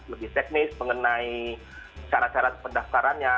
lebih teknis mengenai cara cara pendaftarannya